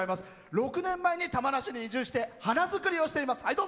６年前に玉名市に移住して花作りを楽しんでいます。